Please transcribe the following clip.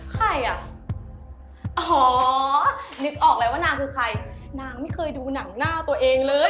ใครอ่ะอ๋อนึกออกเลยว่านางคือใครนางไม่เคยดูหนังหน้าตัวเองเลย